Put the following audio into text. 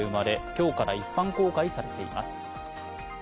今日から一般公開されています。